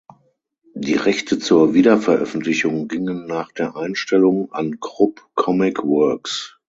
Die Rechte zur Wiederveröffentlichung gingen nach der Einstellung an Krupp Comic Works.